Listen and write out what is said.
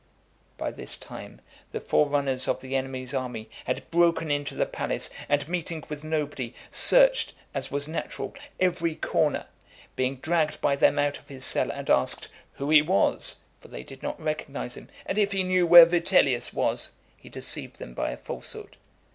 XVII. By this time the forerunners of the enemy's army had broken into the palace, and meeting with nobody, searched, as was natural, every corner. Being dragged by them out of his cell, and asked "who he was?" (for they did not recognize him), "and if he knew where Vitellius was?" he deceived them by a falsehood.